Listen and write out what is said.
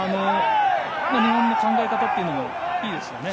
日本の考え方もいいですよね。